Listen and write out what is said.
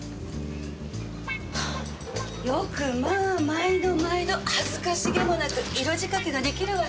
よくまあ毎度毎度恥ずかしげもなく色仕掛けが出来るわね。